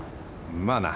まあな。